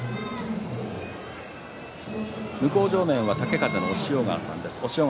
向正面は豪風の押尾川さんです。